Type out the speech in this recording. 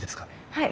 はい。